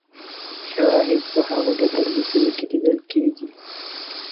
شواهد په هغو ډبرلیکونو کې لیدل کېږي